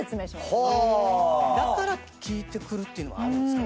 だから聞いてくるっていうのもあるんですかね。